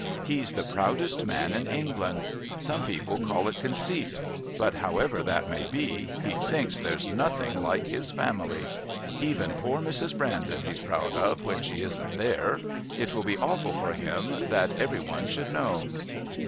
He's the proudest man in England. Some people call it conceit, but, however that may be, he thinks there's nothing like his family. Even poor Mrs. Brandon he's proud of when she isn't there. It will be awful for him that every one should know."